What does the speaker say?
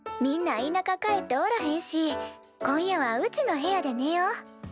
みんないなか帰っておらへんし今夜はうちの部屋でねよ。